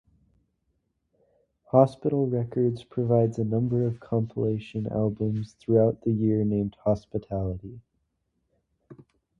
Hospital Records provides a number of compilation albums throughout the year named 'Hospitality'.